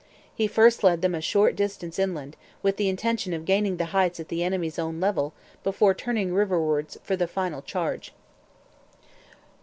He first led them a short distance inland, with the intention of gaining the Heights at the enemy's own level before turning riverwards for the final charge.